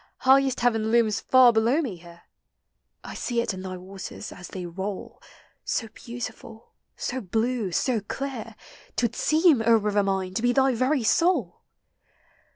highest heaven looms far below me here; * I see it in thy waters, as they roll, 80 beautiful, so blue, so clear, 'T would seem, O river mine, to be thy very soul